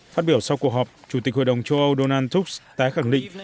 phát biểu sau cuộc họp chủ tịch hội đồng châu âu donald trump tái khẳng định